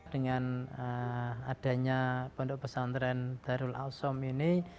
dengan adanya pondok pesantren darul asom ini